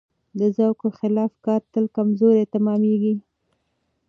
د ذوق خلاف کار تل کمزوری تمامېږي.